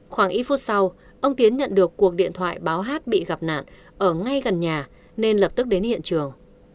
khoảng ít phút sau ông tiến nhận được cuộc điện thoại báo hát bị gặp nạn ở ngay gần nhà nên lập tức đến hiện trường